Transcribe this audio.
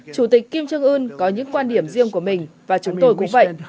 chủ tịch kim trương ưn có những quan điểm riêng của mình và chúng tôi cũng vậy